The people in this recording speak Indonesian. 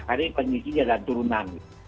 karena ini penyisinya dan turunan